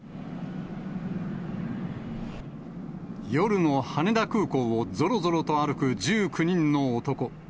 夜の羽田空港をぞろぞろと歩く１９人の男。